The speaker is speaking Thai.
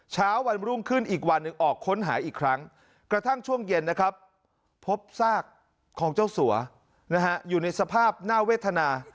เช้าวันรุ่งขึ้นอีกวันหนึ่งออกค้นหาอีกครั้งกระทั่งช่วงเย็นนะครับพบซากของเจ้าสัวอยู่ในสภาพน่าเวทนา